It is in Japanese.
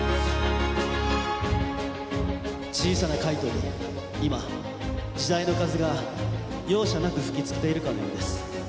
小さなカイトに今、時代の風が容赦なく吹き付けているかのようです。